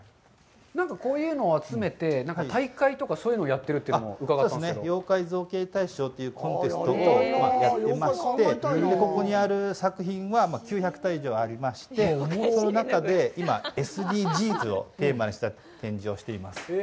こういうのを集めて、大会とか、そういうのをやっているというのを伺ったんですけど、「妖怪造形大賞」というコンテストをやっていまして、ここにある作品は９００体以上ありまして、その中で今、ＳＤＧｓをテーマにした展示をしています。